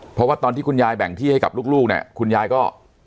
เพราะว่าตอนที่คุณยายแบ่งที่ให้กับลูกเนี่ยคุณยายก็